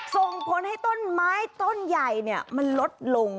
ส่งผลให้ต้นไม้ต้นใหญ่มันลดลง